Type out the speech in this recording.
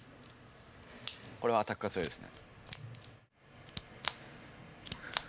これはアタックが強いですね。